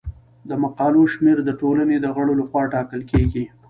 د مقالو شمیر د ټولنې د غړو لخوا ټاکل کیږي.